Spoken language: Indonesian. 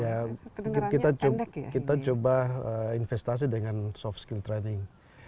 ya kita coba investasi dengan soft skill training